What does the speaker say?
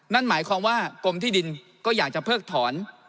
นั่นหมายความว่ากรมที่ดินก็อยากจะเพิกถอน